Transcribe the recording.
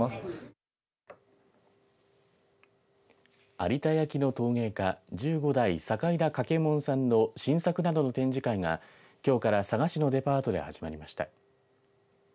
有田焼の陶芸家十五代酒井田柿右衛門さんの新作などの展示会がきょうから佐賀市のデパートで始まりました。